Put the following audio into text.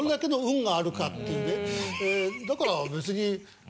だから別に。